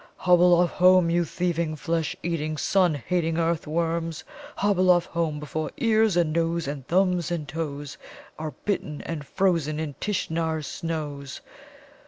"Hobble off home, you thieving, flesh eating, sun hating earth worms! Hobble off home before ears and nose and thumbs and toes are bitten and frozen in Tishnar's snows!